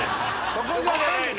そこじゃないです。